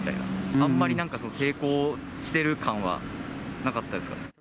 あんまり抵抗している感はなかったですかね。